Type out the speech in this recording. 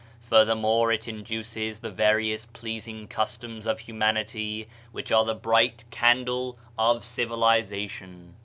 Further more, it induces the various pleasing customs of humanity which are the bright candle of civiliza tion.